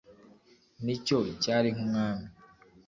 ni cyo cyari nk umwami